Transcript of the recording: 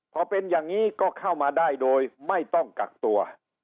พอเป็นอย่างนี้ก็เข้ามาได้โดยไม่ต้องกักตัว